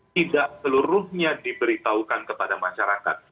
tidak seluruhnya diberitahukan kepada masyarakat